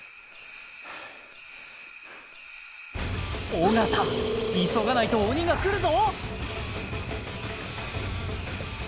尾形急がないと鬼が来るぞ！